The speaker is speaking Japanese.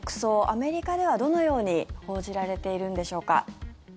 アメリカではどのように報じられているんでしょうか。